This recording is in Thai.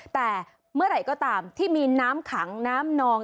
แต่เมื่อไหร่ก็ตามที่มีน้ำขังน้ำนอง